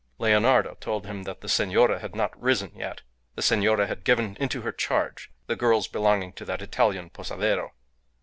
Leonarda told him that the senora had not risen yet. The senora had given into her charge the girls belonging to that Italian posadero.